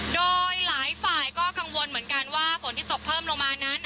โดยหลายฝ่ายก็กังวลเหมือนกันว่าฝนที่ตกเพิ่มลงมานั้น